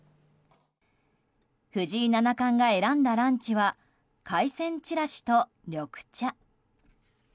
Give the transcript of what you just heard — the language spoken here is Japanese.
藤井七冠が選んだランチは海鮮ちらしと緑茶。